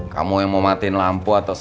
kamu yang mau matiin lampu atau